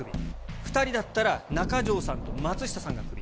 ２人だったら、中条さんと松下さんがクビ。